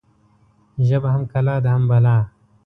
ژبه هم کلا ده هم بلا.